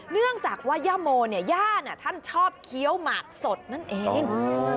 เนื่องจากว่าย่าโมเนี่ยย่าท่านชอบเคี้ยวหมากสดนั่นเอง